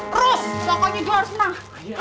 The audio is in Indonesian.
terus sokonya juga harus menang